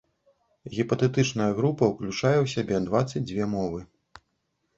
Гіпатэтычная група ўключае ў сябе дваццаць дзве мовы.